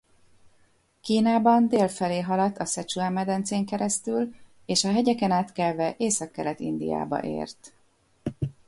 Kínában dél felé haladt a Szecsuan-medencén keresztül és a hegyeken átkelve Északkelet-Indiába ért.